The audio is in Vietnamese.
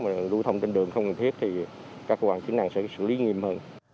mà đu thông trên đường không cần thiết thì các quản chứng năng sẽ xử lý nghiêm hơn